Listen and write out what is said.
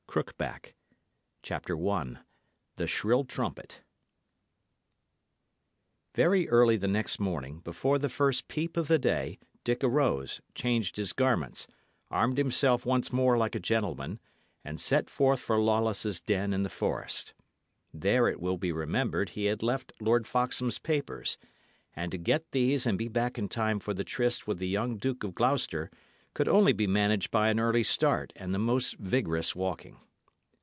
BOOK V CROOKBACK CHAPTER I THE SHRILL TRUMPET Very early the next morning, before the first peep of the day, Dick arose, changed his garments, armed himself once more like a gentleman, and set forth for Lawless's den in the forest. There, it will be remembered, he had left Lord Foxham's papers; and to get these and be back in time for the tryst with the young Duke of Gloucester could only be managed by an early start and the most vigorous walking.